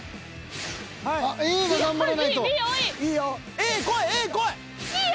いいよ。